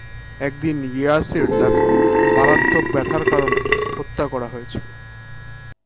একদিন ইয়াসির তাকে মারাত্মক ব্যথার কারণে হত্যা করা হয়েছিল।